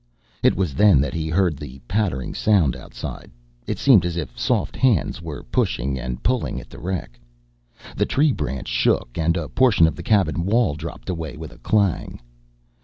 It was then that he heard the pattering sound outside. It seemed as if soft hands were pushing and pulling at the wreck. The tree branch shook and a portion of the cabin wall dropped away with a clang.